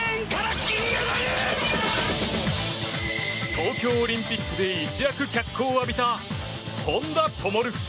東京オリンピックで一躍脚光を浴びた本多灯。